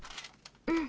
うん。